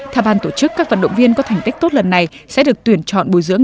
theo ban tổ chức các vận động viên có thành tích tốt lần này sẽ được tuyển chọn bồi dưỡng